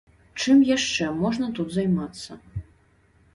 Чым яшчэ можна тут займацца?